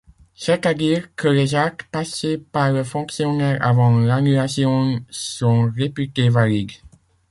C'est-à-dire que les actes passés par le fonctionnaire avant l'annulation sont réputés valides.